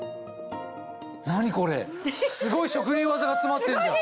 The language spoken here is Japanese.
何これすごい職人技が詰まってんじゃん。